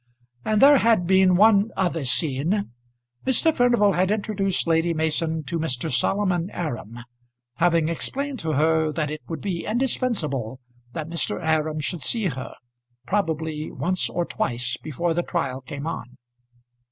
And there had been one other scene. Mr. Furnival had introduced Lady Mason to Mr. Solomon Aram, having explained to her that it would be indispensable that Mr. Aram should see her, probably once or twice before the trial came on.